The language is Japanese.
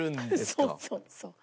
そうそうそう。